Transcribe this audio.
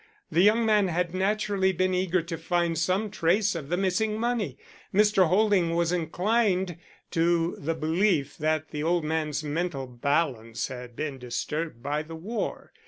The young man had naturally been eager to find some trace of the missing money. Mr. Holding was inclined to the belief that the old man's mental balance had been disturbed by the war.